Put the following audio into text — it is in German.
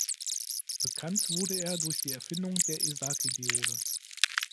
Bekannt wurde er durch die Erfindung der Esaki-Diode.